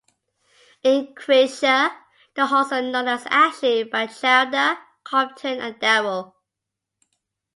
In Kreischer, the halls are known as Ashley, Batchelder, Compton, and Darrow.